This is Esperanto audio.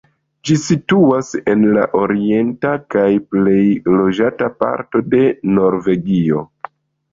Ĝi situas en la orienta kaj plej loĝata parto de Norvegio.